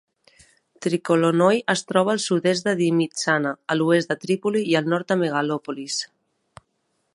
Trikolonoi es troba al sud-est de Dimitsana, a l'oest de Trípoli i al nord de Megalòpolis.